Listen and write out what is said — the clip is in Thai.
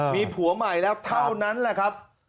มีผัวใหม่แล้วเท่านั้นแหละครับ